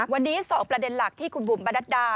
วันนี้๒ประเด็นหลักที่คุณบุ๋มประนัดดา